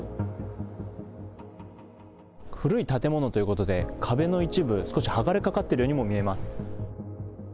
古い建物ということで、壁の一部、少し剥がれかかっているようにも見えます。